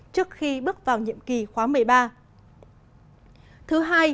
trước khi bước vào nhiệm kỳ khóa một mươi ba